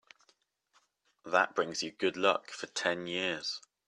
That brings you good luck for ten years.